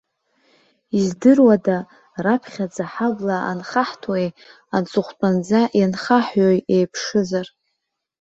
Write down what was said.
Издыруада, раԥхьаӡа ҳабла анхаҳтуеи, аҵыхәтәанӡа ианхаҳҩои еиԥшызар.